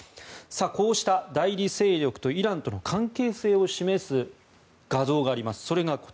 こうした代理勢力とイランとの関係性を示す画像があります。